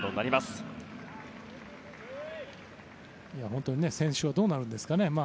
本当に選出はどうなるんでしょうね。